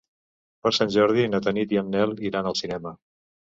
Per Sant Jordi na Tanit i en Nel iran al cinema.